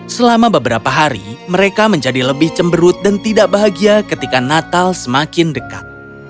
selama beberapa hari mereka menjadi lebih cemberut dan tidak bahagia ketika natal semakin dekat